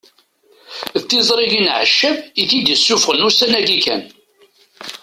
D tiẓrigin Ɛeccab i t-id-isuffɣen ussan-agi kan